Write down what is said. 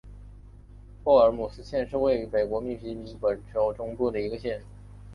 霍尔姆斯县是位于美国密西西比州中部的一个县。